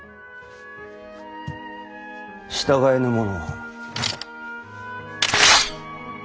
従えぬ者は。